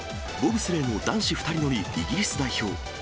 ボブスレーの男子２人乗りイギリス代表。